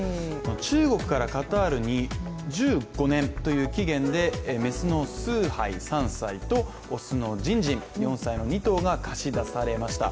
中国からカタールに、１５年という期限で雌のスーハイ３歳と、雄のジンジン４歳の２頭が貸し出されました。